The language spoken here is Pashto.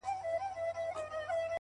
هره ورځ د اغېز پرېښودلو فرصت لري.!